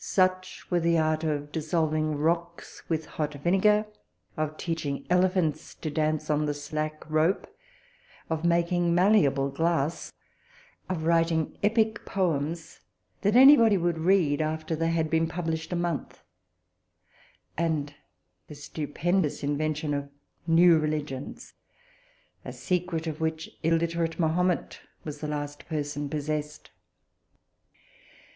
Such were the art of dissolving rocks with hot vinegar, of teaching elephants to dance on the slack rope, of making malleable glass, of writing epic poems that any body would read after they had been published a month, and the stupendous invention of new religions, a secret of which illiterate Mahomet was the last person possessed.